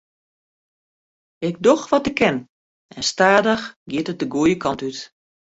Ik doch wat ik kin en stadich giet it de goede kant út.